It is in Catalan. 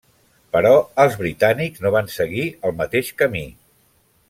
Però els britànics no van seguir el mateix camí.